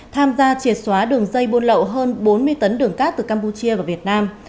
tham gia triệt xóa đường dây buôn lậu hơn bốn mươi tấn đường cát từ campuchia vào việt nam